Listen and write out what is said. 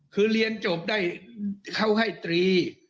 คือเรียนจบได้เขาให้ตรี